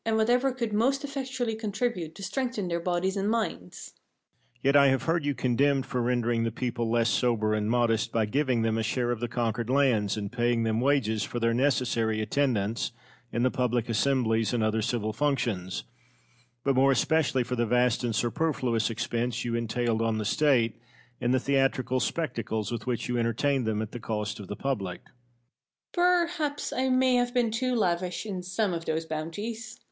Yet I have heard you condemned for rendering the people less sober and modest, by giving them a share of the conquered lands, and paying them wages for their necessary attendance in the public assemblies and other civil functions; but more especially for the vast and superfluous expense you entailed on the State in the theatrical spectacles with which you entertained them at the cost of the public. Pericles. Perhaps I may have been too lavish in some of those bounties.